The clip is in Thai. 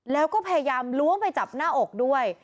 แล้วก็พยายามล้วงไปจับหน้าอกด้วย